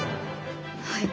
はい。